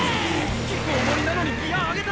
登りなのにギア上げた！